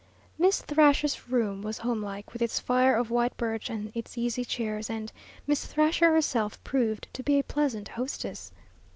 Miss Thrasher's room was homelike, with its fire of white birch and its easy chairs, and Miss Thrasher herself proved to be a pleasant hostess.